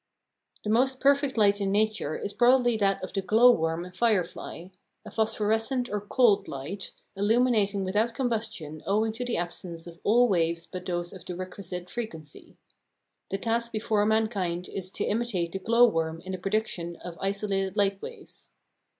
The most perfect light in nature is probably that of the glow worm and firefly a phosphorescent or "cold" light, illuminating without combustion owing to the absence of all waves but those of the requisite frequency. The task before mankind is to imitate the glow worm in the production of isolated light waves.